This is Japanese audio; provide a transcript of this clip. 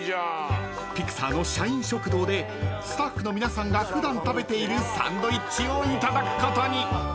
［ピクサーの社員食堂でスタッフの皆さんが普段食べているサンドイッチをいただくことに］